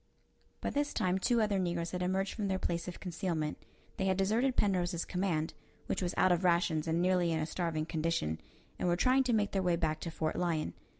By this time two other negroes had emerged from their place of concealment. They had deserted Penrose's command which was out of rations and nearly in a starving condition and were trying to make their way back to Fort Lyon.